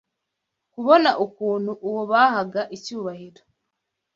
Kubona ukuntu Uwo bahaga icyubahiro